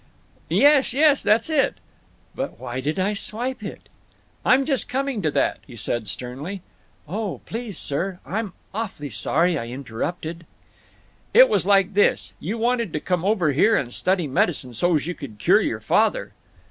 "Yes, yes! That's it." "But why did I swipe it?" "I'm just coming to that," he said, sternly. "Oh, please, sir, I'm awful sorry I interrupted." "It was like this: You wanted to come over here and study medicine so's you could cure your father."